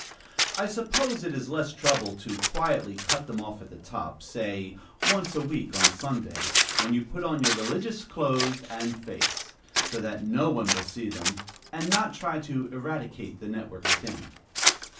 I suppose it is less trouble to quietly cut them off at the top say once a week, on Sunday, when you put on your religious clothes and face, so that no one will see them, and not try to eradicate the network within.